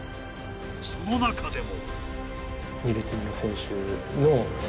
その中でも。